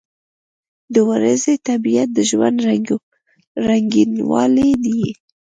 • د ورځې طبیعت د ژوند رنګینوالی دی.